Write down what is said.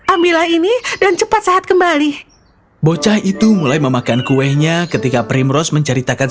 ambillah ini dan cepat sehat kembali bocah itu mulai memakan kuenya ketika primrose menceritakan